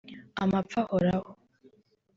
amapfa ahoraho